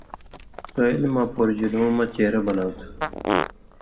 ݜُو عِلماں پورژیلؤں مہ چیرہ بناں تھو